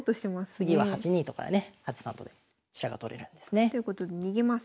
次は８二と金からね８三と金で飛車が取れるんですね。ということで逃げます。